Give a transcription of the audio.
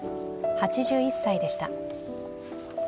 ８１歳でした。